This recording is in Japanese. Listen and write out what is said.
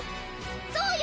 そうよ！